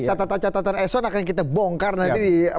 catatan catatan eson akan kita bongkar nanti di